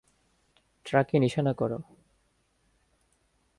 ট্রাকে নিশানা কর!